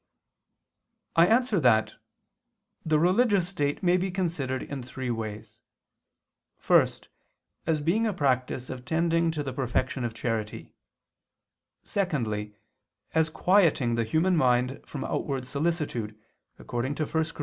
I answer that, The religious state may be considered in three ways. First, as being a practice of tending to the perfection of charity: secondly, as quieting the human mind from outward solicitude, according to 1 Cor.